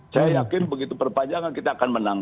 saya yakin begitu perpanjangan kita akan menang